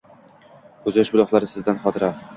Ko’zyosh buloqlari sizdan xotira